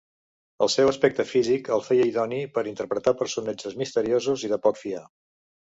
El seu aspecte físic el feia idoni per interpretar personatges misteriosos i de poc fiar.